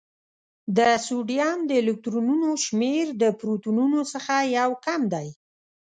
د سوډیم د الکترونونو شمېر د پروتونونو څخه یو کم دی.